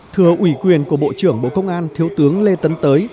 thưa ủy quyền của bộ trưởng bộ công an thiếu tướng lê tấn tới